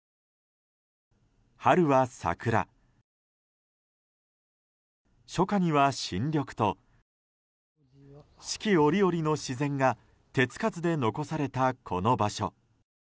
春は桜、初夏には新緑と四季折々の自然が手つかずで残されたこの場所。